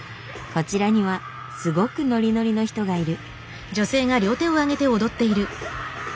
こちらにはすごくノリノリの人がいる。